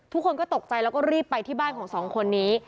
ทุกคนก็ตกใจแล้วก็รีบไปที่บ้านของสองคนนี้